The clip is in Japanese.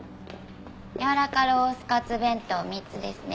やわらかロースカツ弁当３つですね。